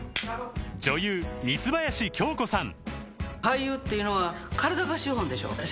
女優三林京子さん